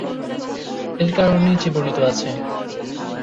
এর কারণ নিচে বর্ণিত আছে।